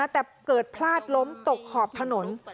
แต่เกิดพลาดล้มตกขอบถนน